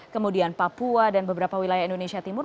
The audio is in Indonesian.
kemudian papua dan beberapa wilayah indonesia timur